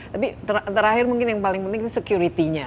tapi terakhir mungkin yang paling penting itu security nya